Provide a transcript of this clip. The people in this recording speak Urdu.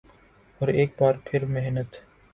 اورایک بار پھر محنت